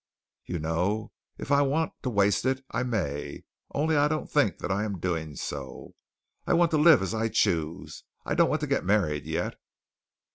You know, if I want to waste it, I may, only I don't think that I am doing so. I want to live as I choose. I don't want to get married yet."